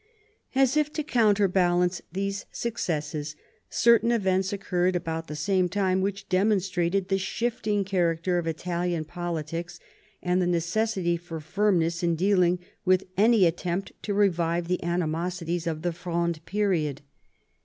As if to counterbalance these successes, certain events occurred about the same time which demonstrated the shifting character of Italian politics, and the necessity for firmness in dealing wilh any attempt to revive the animosities of the Fronde period.